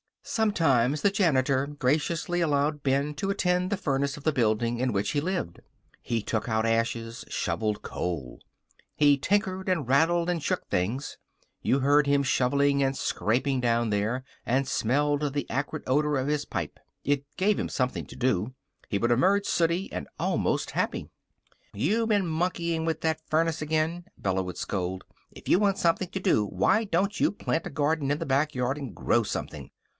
Sometimes the janitor graciously allowed Ben to attend to the furnace of the building in which he lived. He took out ashes, shoveled coal. He tinkered and rattled and shook things. You heard him shoveling and scraping down there, and smelled the acrid odor of his pipe. It gave him something to do. He would emerge sooty and almost happy. "You been monkeying with that furnace again!" Bella would scold. "If you want something to do, why don't you plant a garden in the back yard and grow something?